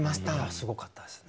すごかったですね。